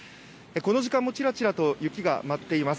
この時間もちらちらと雪が舞っています。